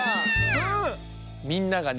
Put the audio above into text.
みんながね